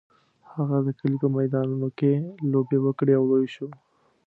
هغه د کلي په میدانونو کې لوبې وکړې او لوی شو.